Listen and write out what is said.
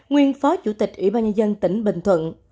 nguyên phó chủ tịch ủy ban nhân dân tỉnh bình thuận